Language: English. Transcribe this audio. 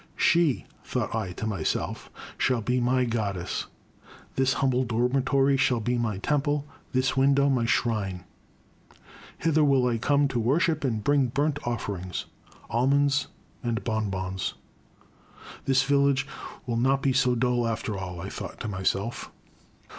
" She," thought I to myself, '* shall be my god dess, — ^this humble dormitory shall be my temple, this window my shrine ! Hither will I come to worship and bring burnt offerings, — almonds and bon bons. This village will not be so dull after all," I thought to myself.